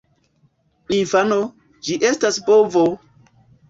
Infano: "Ĝi estas bovo!"